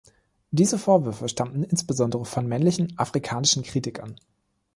Diese Vorwürfe stammten insbesondere von männlichen afrikanischen Kritikern.